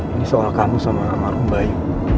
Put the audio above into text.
ini soal kamu sama marum bayu